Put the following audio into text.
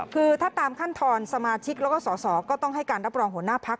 คือถ้าตามขั้นตอนสมาชิกแล้วก็สอสอก็ต้องให้การรับรองหัวหน้าพัก